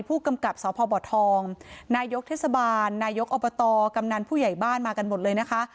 ผู้กำกับสพบทองนายกเทศบาลนายกอบตกำนันผู้ใหญ่บ้านมากันหมดเลยนะคะ